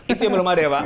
itu yang belum ada ya pak